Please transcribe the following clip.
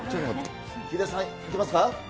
ヒデさん、いけますか。